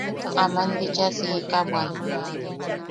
Aman bicha siika bwan.